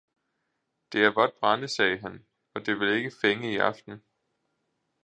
Det er vådt brænde, sagde han, det vil ikke fænge i aften!